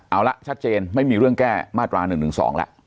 เอาละชัดเจนไม่มีเรื่องแก้มาตรา๑๑๒แล้ว